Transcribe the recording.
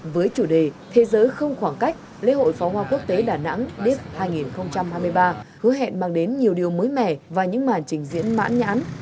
với chủ đề thế giới không khoảng cách lễ hội pháo hoa quốc tế đà nẵng dis hai nghìn hai mươi ba hứa hẹn mang đến nhiều điều mới mẻ và những màn trình diễn mãn nhãn